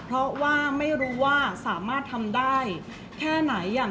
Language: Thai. เพราะว่าสิ่งเหล่านี้มันเป็นสิ่งที่ไม่มีพยาน